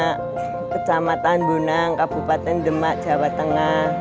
kecamatan bonang kabupaten demak jawa tengah